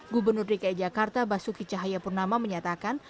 gubernur dki jakarta basuki cahaya purnama menyatakan